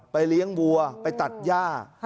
ไปเรียงวัวไปตัดหย่า